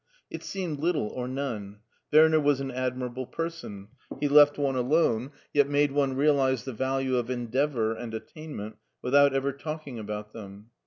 It seemed little or none; Werner was an admirable person ; he left one alone, yet made one realize the value of endeavor and attainment without ever talking about them.